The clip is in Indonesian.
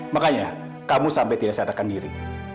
makanya kamu sampai tidak sadarkan diri